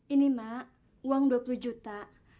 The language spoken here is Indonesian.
ini mak uang dua puluh juta